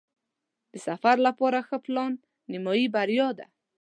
د سفر لپاره ښه پلان نیمایي بریا ده.